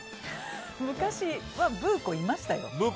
昔はブー子いましたよ。